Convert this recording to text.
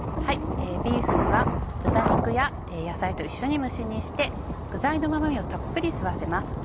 ビーフンは豚肉や野菜と一緒に蒸し煮して具材のうま味をたっぷり吸わせます。